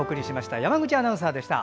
山口アナウンサーでした。